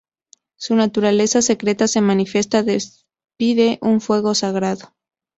Su naturaleza secreta se manifiesta: despide un fuego sagrado.